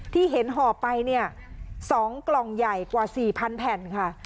ที่เห็นห่อไปเนี่ย๒กล่องใหญ่กว่า๔๐๐แผ่นค่ะ